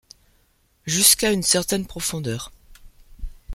Jusqu’à une certaine profondeur.